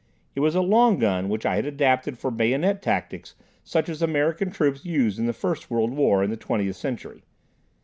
It was a long gun which I had adapted for bayonet tactics such as American troops used in the First World War, in the Twentieth Century.